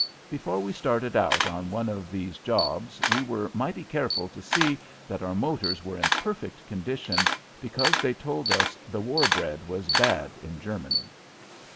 Before we started out on one of these jobs we were mighty careful to see that our motors were in perfect condition, because they told us the "war bread was bad in Germany."